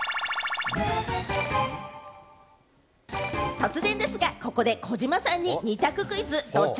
突然ですが、ここで児嶋さんに、二択クイズ、ドッチ？